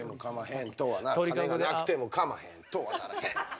金がなくてもかまへんとはならへん！